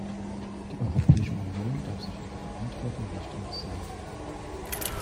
Die Europäische Union darf sich ihrer Verantwortung nicht entziehen.